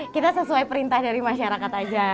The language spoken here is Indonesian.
kita sesuai perintah dari masyarakat aja